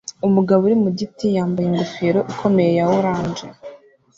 Umugabo uri mu giti yambaye ingofero ikomeye ya orange